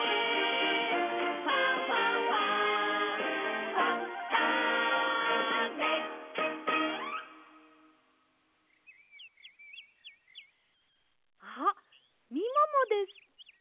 「ファンファンファン」あっみももです。